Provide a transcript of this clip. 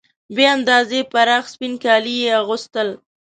بې اندازې پراخ سپین کالي یې اغوستل.